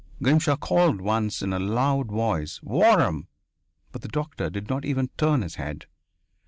Grimshaw called once, in a loud voice: "Waram!" But the doctor did not even turn his head.